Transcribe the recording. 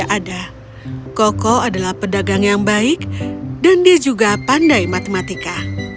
ada koko adalah pedagang yang baik dan dia juga pandai matematika